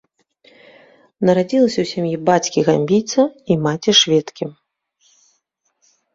Нарадзілася ў сям'і бацькі-гамбійца і маці-шведкі.